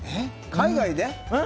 海外で？